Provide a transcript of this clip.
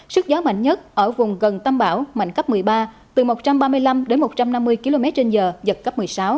sức gió mạnh nhất ở vùng gần tâm bão mạnh cấp một mươi ba từ một trăm ba mươi năm đến một trăm năm mươi km trên giờ giật cấp một mươi sáu